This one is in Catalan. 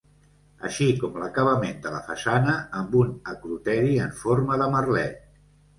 Així com l'acabament de la façana amb un acroteri en forma de merlet.